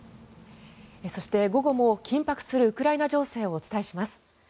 そして、午後も緊迫するウクライナ情勢をお伝えします。